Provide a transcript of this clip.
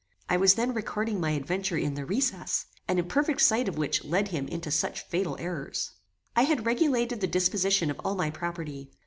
I was then recording my adventure in THE RECESS, an imperfect sight of which led him into such fatal errors. I had regulated the disposition of all my property.